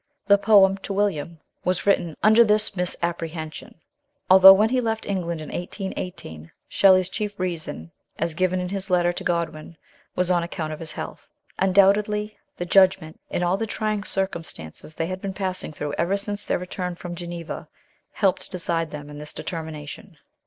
The poem " To William " was written under this mis apprehension, although when he left England in 1818, Shelley's chief reason, as given in his letter to Godwin, was on account of his health. Undoubtedly the judg ment, and all the trying circumstances they had been passing through ever since their return from Geneva, helped to decide them in this determination.